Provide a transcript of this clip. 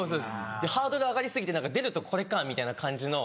でハードル上がり過ぎて出ると「これか」みたいな感じの。